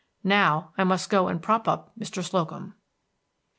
"Now I must go and prop up Mr. Slocum."